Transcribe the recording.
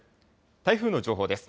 台風の情報です。